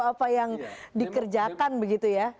apa yang dikerjakan begitu ya